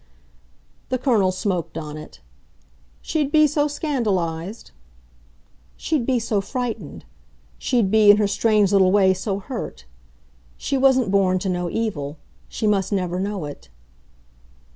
The Colonel smoked on it. "She'd be so scandalised?" "She'd be so frightened. She'd be, in her strange little way, so hurt. She wasn't born to know evil. She must never know it."